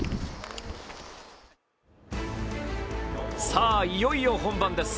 さあ、いよいよ本番です。